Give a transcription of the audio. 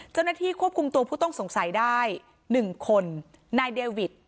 เจ้าหน้าที่ควบคุมตัวผู้ต้องสงสัยได้๑คนนายเดวิท